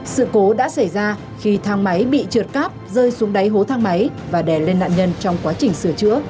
sự cố đã xảy ra khi thang máy bị trượt cáp rơi xuống đáy hố thang máy và đè lên nạn nhân trong quá trình sửa chữa